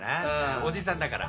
おじさんだから。